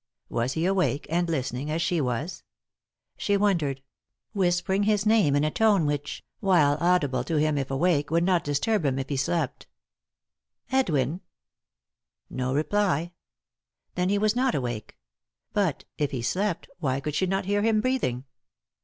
Was he awake and listening, as she was ? She wondered ; whispering his name in a tone which, 3i 9 iii^d by Google THE INTERRUPTED KISS while audible to him if awake, would not disturb him it he slept. " Edwin 1 " No reply ; then he was not awake ; but, if he slept, why could she not hear him breathing